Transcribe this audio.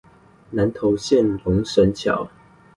南投縣龍神橋